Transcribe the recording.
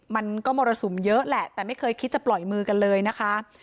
มันก็มรสุมเยอะแหละแต่ไม่เคยคิดจะปล่อยมือกันเลยนะคะ